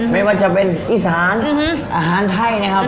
ไม่ว่าจะเป็นอีสานอาหารไทยนะครับ